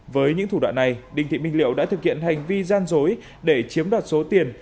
với những thủ đoạn này đinh thị minh liệu đã thực hiện hành vi gian dối để chiếm đoạt số tiền